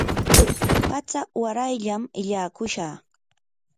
patsa warayllam illakushaq.